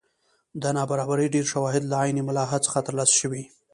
د نابرابرۍ ډېر شواهد له عین ملاحا څخه ترلاسه شوي.